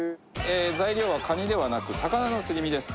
材料はカニではなく魚のすり身です。